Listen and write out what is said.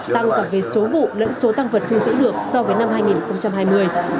tăng cả về số vụ lẫn số tăng vật thu giữ được so với năm hai nghìn hai mươi